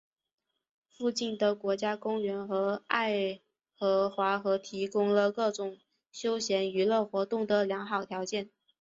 附近的国家公园和爱荷华河提供了各种休闲娱乐活动的良好条件。